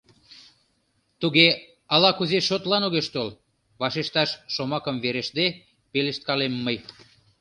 — Туге, ала-кузе шотлан огеш тол, — вашешташ шомакым верештде пелешткалем мый.